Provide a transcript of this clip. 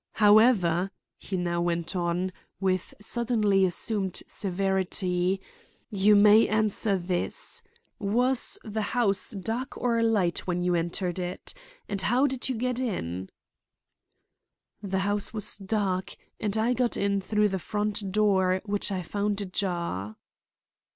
"However," he now went on, with suddenly assumed severity, "you may answer this. Was the house dark or light when you entered it? And, how did you get in?" "The house was dark, and I got in through the front door, which I found ajar."